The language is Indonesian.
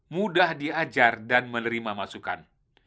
mudah diajar dan menerima masukan